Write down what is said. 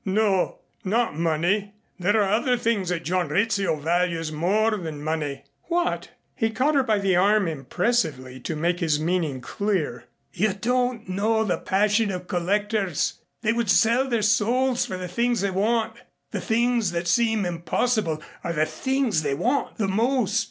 "No, not money. There are other things that John Rizzio values more than money." "What?" He caught her by the arm impressively to make his meaning clear. "You don't know the passion of collectors. They would sell their souls for the things they want. The things that seem impossible are the things they want the most."